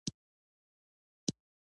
آمو سیند د افغانستان د انرژۍ سکتور برخه ده.